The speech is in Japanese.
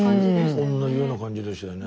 おんなじような感じでしたよね。